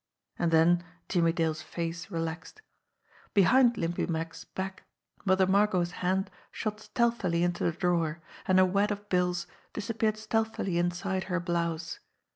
And then Jimmie Dale's face relaxed. Behind Limpy Mack's back Mother Margot's hand shot stealthily into the drawer, and a wad of bills disappeared stealthily inside her blouse.